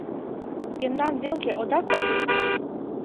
Мемнан велке ода кой гын